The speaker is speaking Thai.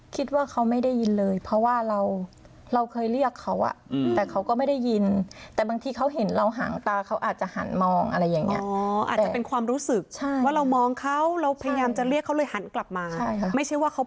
คิดว่าเขาไม่ได้ยินเลยเพราะว่าเราเราเคยเรียกเขาอ่ะแต่เขาก็ไม่ได้ยินแต่บางทีเขาเห็นเราห่างตาเขาอาจจะหันมองอะไรอย่างนี้อาจจะเป็นความรู้สึกว่าเรามองเขาเราพยายามจะเรียกเขาเลยหันกลับมาไม่ใช่ว่าเขา